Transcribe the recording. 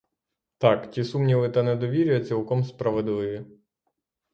Так, — ті сумніви та недовір'я цілком справедливі.